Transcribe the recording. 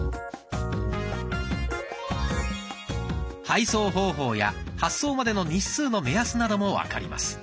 配送方法や発送までの日数の目安なども分かります。